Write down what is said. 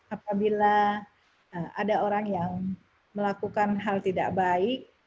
apabila ada orang yang melakukan hal tidak baik